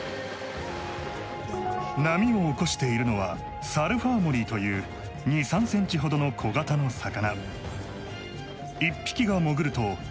波を起こしているのはサルファーモリーという２３センチほどの小型の魚。